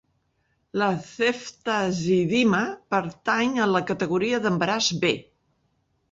La ceftazidima pertany a la categoria d'embaràs B.